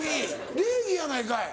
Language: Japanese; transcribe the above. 礼儀やないかい。